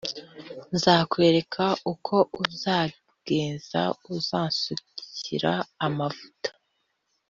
nzakwereka uko uzagenza uzansukira amavuta